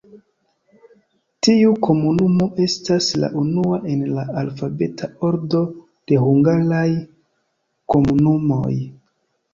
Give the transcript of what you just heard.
Tiu komunumo estas la unua en la alfabeta ordo de hungaraj komunumoj.